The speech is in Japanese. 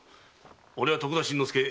俺は徳田新之助。